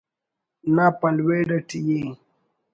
نا پلویڑ اٹی ءِ